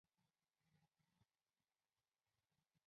前母俞氏。